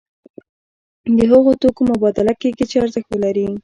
د هغو توکو مبادله کیږي چې ارزښت ولري.